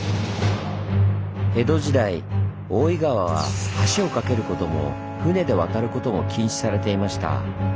江戸時代大井川は橋を架けることも舟で渡ることも禁止されていました。